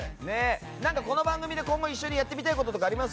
この番組で一緒にやりたいこととかあります？